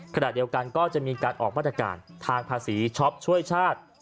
ขณะเดียวกันก็จะมีการออกมาตรการทางภาษีช็อปช่วยชาติ